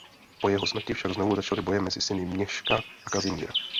Po jeho smrti však znovu začaly boje mezi syny Měška a Kazimíra.